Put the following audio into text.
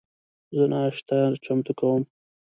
زه ناشته چمتو کوم